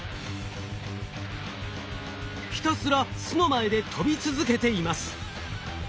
ひたすら巣の前で飛び続けています。